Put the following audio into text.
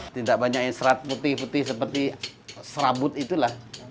tidak banyak yang serat putih putih seperti serabut itulah